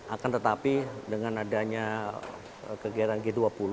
akan tetapi dengan adanya kegiatan g dua puluh